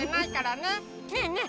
ねえねえ